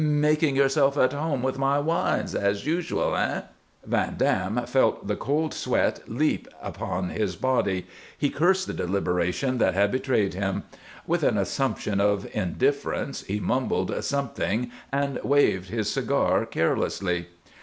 "Making yourself at home with my wines, as usual, eh?" Van Dam felt the cold sweat leap out upon his body; he cursed the deliberation that had betrayed him. With an assumption of indifference he mumbled something and waved his cigar carelessly.